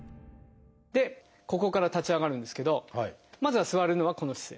ここから立ち上がるんですけどまずは座るのはこの姿勢。